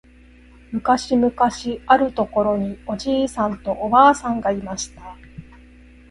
むかしむかしあるところにおじいさんとおばあさんがいました。